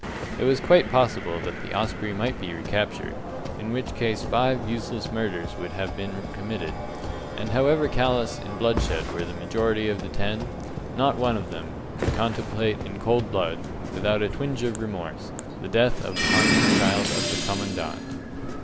It was quite possible that the Osprey might be recaptured, in which case five useless murders would have been committed; and however callous in bloodshed were the majority of the ten, not one among them could contemplate in cold blood, without a twinge of remorse, the death of the harmless child of the Commandant.